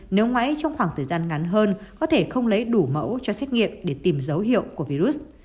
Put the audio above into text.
nếu máy trong khoảng thời gian ngắn hơn có thể không lấy đủ mẫu cho xét nghiệm để tìm dấu hiệu của virus